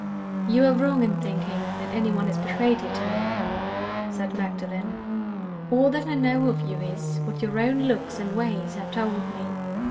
"You are wrong in thinking that any one has betrayed you to me," said Magdalen. "All that I know of you is, what your own looks and ways have told me.